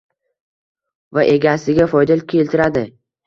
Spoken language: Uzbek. va egasiga foyda keltiradi.